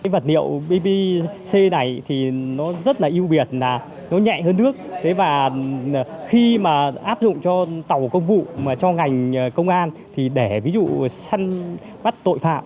vật liệu pvc này thì nó rất là ưu việt là nó nhẹ hơn nước thế mà khi mà áp dụng cho tàu công vụ cho ngành công an thì để ví dụ săn bắt tội phạm